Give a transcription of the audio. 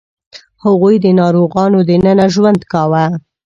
هغوی د غارونو دننه ژوند کاوه.